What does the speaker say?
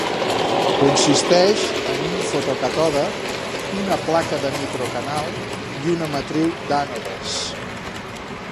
Consisteix en un fotocàtode, una placa de micro canal i una matriu d'ànodes.